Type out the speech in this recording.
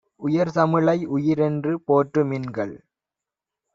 உயர்தமிழை உயிர்என்று போற்று மின்கள்!